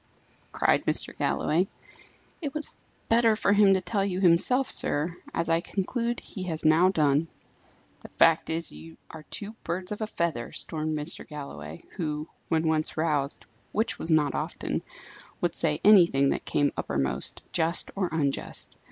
cried Mr. Galloway. "It was better for him to tell you himself, sir; as I conclude he has now done." "The fact is, you are two birds of a feather," stormed Mr. Galloway, who, when once roused, which was not often, would say anything that came uppermost, just or unjust.